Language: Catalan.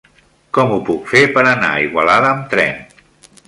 Com ho puc fer per anar a Igualada amb tren?